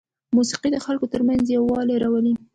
موسیقي د خلکو ترمنځ یووالی راولي.